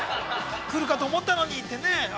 来るかと思ったのにってね。